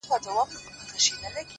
ورته شعرونه وايم!